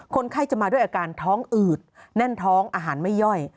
คนไข้จะมาด้วยอาการท้องอืดแน่นท้องอาหารไม่ย่อย